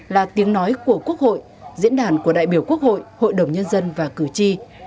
là tiếng nói của quốc hội diễn đàn của đại biểu quốc hội hội đồng nhân dân và cử tri